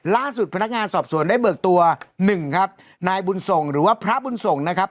ล่าสุดพนักงานสอบสวนได้เบิกตัวหนึ่งครับนายบุญส่งหรือว่าพระบุญส่งนะครับ